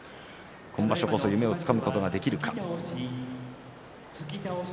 今場所こそ夢をつかむことができるでしょうか。